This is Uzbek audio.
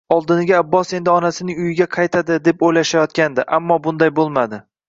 Oldiniga Abbos endi onasining uyiga qaytadi deb o`ylashayotgandi, ammo bunday bo`lmadi